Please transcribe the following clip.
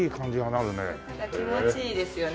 なんか気持ちいいですよね